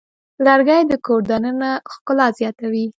لرګی د کور دننه ښکلا زیاتوي.